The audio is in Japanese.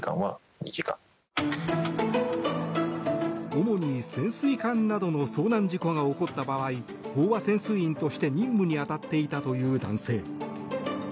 主に潜水艦などの遭難事故が起こった場合飽和潜水員として任務に当たっていたという男性。